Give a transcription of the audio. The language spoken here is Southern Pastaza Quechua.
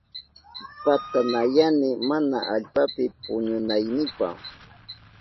Patanayani mana allpapi puñunaynipa.